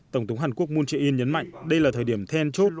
tổng thống hàn quốc moon jae in nhấn mạnh đây là thời điểm then chốt